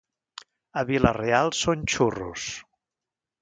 A Vila-real són xurros.